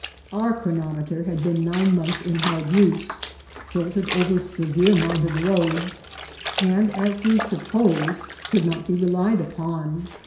Our chronometer had been nine months in hard use, jolted over severe mountain roads, and, as we suppo sed, could not be relied upon.